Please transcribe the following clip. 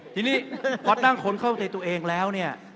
ทีนี้พอตั้งคนเข้าใจตัวเองแล้วเนี่ย